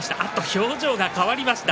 表情が変わりました